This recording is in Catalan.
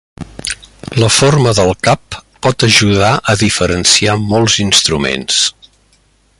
La forma del cap pot ajudar a diferenciar molts instruments.